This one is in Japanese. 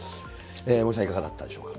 森さん、いかがだったでしょうか。